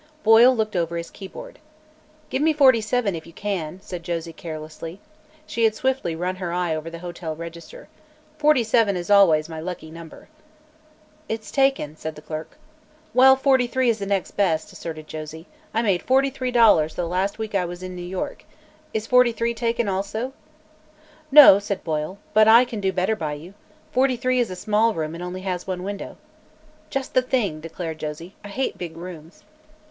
Boyle looked over his keyboard. "Give me 47, if you can," said Josie carelessly. She had swiftly run her eye over the hotel register. "Forty seven is always my lucky number." "It's taken," said the clerk. "Well, 43 is the next best," asserted Josie. "I made forty three dollars the last week I was in New York. Is 43 taken, also?" "No," said Boyle, "but I can do better by you. Forty three is a small room and has only one window." "Just the thing!" declared Josie. "I hate big rooms."